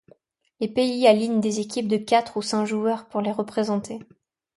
Les pays alignent des équipes de quatre ou cinq joueurs pour les représenter.